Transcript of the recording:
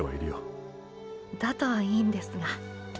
だといいんですが。